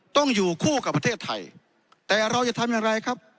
ต้องอยู่คู่กับประเทศไทยแต่เราจะทำอย่างไรครับ